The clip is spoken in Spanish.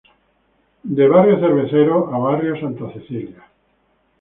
De barrio Cerveceros a barrio Santa Cecilia.